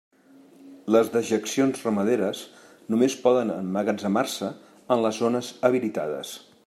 Les dejeccions ramaderes només poden emmagatzemar-se en les zones habilitades.